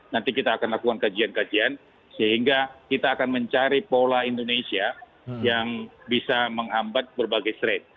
nanti kita akan lakukan kajian kajian sehingga kita akan mencari pola indonesia yang bisa menghambat berbagai straight